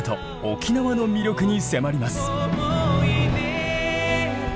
沖縄の魅力に迫ります。